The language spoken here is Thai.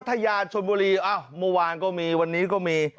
ทะยาชนบุรีอ้าวเมื่อวานก็มีวันนี้ก็มี